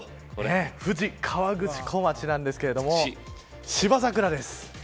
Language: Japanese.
富士河口湖町なんですけど芝桜です。